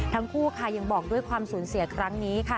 ทั้งคู่ค่ะยังบอกด้วยความสูญเสียครั้งนี้ค่ะ